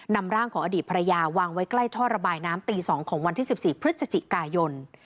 นำร่างของอดีตภรรยาวางไว้ใกล้ท่อระบายน้ำตี๒ของวันที่๑๔พฤศจิกายน